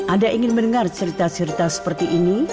anda ingin mendengar cerita cerita seperti ini